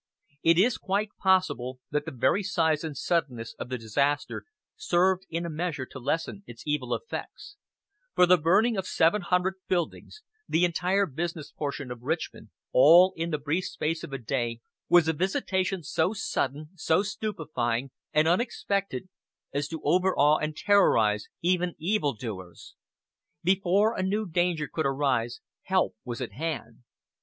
It is quite possible that the very size and suddenness of the disaster served in a measure to lessen its evil effects; for the burning of seven hundred buildings, the entire business portion of Richmond, all in the brief space of a day, was a visitation so sudden, so stupefying and unexpected as to overawe and terrorize even evildoers. Before a new danger could arise help was at hand.